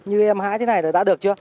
như em hái thế này là đã được chưa